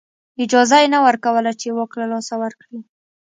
اجازه یې نه ورکوله چې واک له لاسه ورکړي.